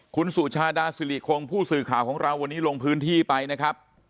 คุณสุชาดาสิริคงผู้สื่อข่าวของเราวันนี้ลงพื้นที่ไปนะครับ